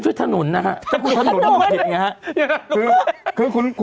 ก็ใช่เค้าว่าธนุน